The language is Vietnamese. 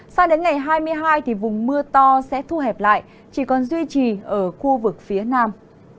sang đến ngày hai mươi hai thì vùng mưa to sẽ thu hẹp lại chỉ còn duy trì ở khu vực phía nam